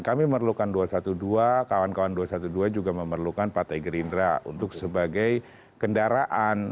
kami memerlukan dua ratus dua belas kawan kawan dua ratus dua belas juga memerlukan partai gerindra untuk sebagai kendaraan